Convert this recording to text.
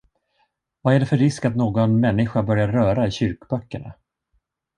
Vad är det för risk att någon människa börjar röra i kyrkböckerna!